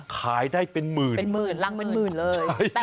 ขายได้เป็นหมื่นเป็นหมื่นรังเป็นหมื่นเลย